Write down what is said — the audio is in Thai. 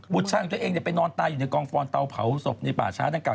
ชายของตัวเองไปนอนตายอยู่ในกองฟอนเตาเผาศพในป่าช้าดังกล่า